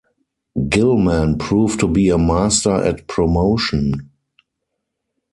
Gilman proved to be a master at promotion.